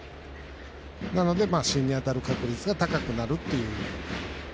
なので、芯に当たる確率が高くなるっていう。